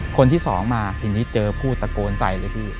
คนที่สองมาทีนี้เจอผู้ตะโกนใส่เลยพี่